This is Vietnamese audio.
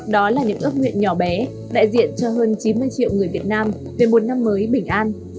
đó là những ước nguyện nhỏ bé đại diện cho hơn chín mươi triệu người việt nam về một năm mới bình an